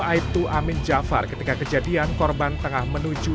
aibtu amin jafar ketika kejadian korban tengah menuju